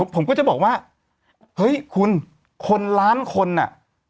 ผมก็จะบอกว่าเฮ้ยคุณคนล้านคนอ่ะ